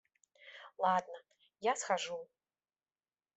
Ладно, я схожу.